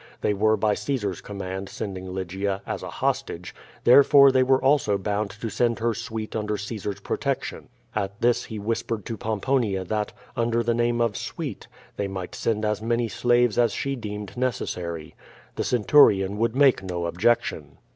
They were by Caesar's command send ing Lygia, as a hostage; therefore, they were also bound to send her suite under Caesar's protection. At this he whis pered to Pomponia that, under the name of suite, she might send as many slaves as she deemed necessary. The cen turion would make no objection.